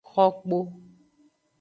Xo kpo.